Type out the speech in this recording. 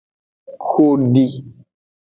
Xo edi.